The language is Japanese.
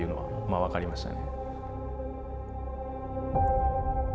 分かりましたね。